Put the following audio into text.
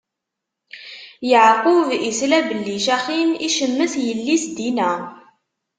Yeɛqub isla belli Caxim icemmet yelli-s Dina.